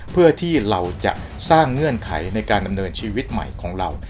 เพื่อที่เราจะสร้างเงื่อนไขในการดำเนินชีวิตใหม่ของเรา